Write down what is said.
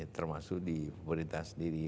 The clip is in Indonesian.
termasuk di pemerintahan sendiri